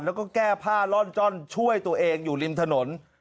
แล้วก็แก้ผ้าล่อนจ้อนช่วยตัวเองอยู่ริมถนน